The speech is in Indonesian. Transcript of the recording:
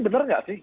bener nggak sih